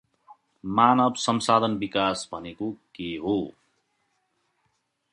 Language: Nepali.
मानव संसाधन विकास भनेको के हो?